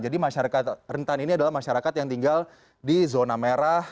jadi masyarakat rentan ini adalah masyarakat yang tinggal di zona merah